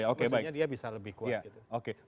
posisinya dia bisa lebih kuat gitu